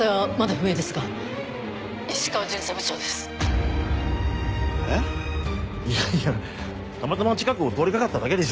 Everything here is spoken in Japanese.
いやいやたまたま近くを通り掛かっただけでしょ。